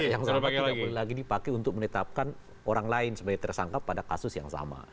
yang sama tidak boleh lagi dipakai untuk menetapkan orang lain sebagai tersangka pada kasus yang sama